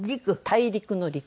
「大陸」の「陸」。